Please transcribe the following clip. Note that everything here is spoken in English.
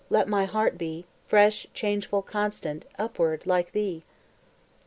Let my heart be Fresh, changeful, constant, Upward, like thee!